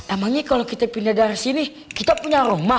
emangnya kalo kita pindah dari sini kita punya rumah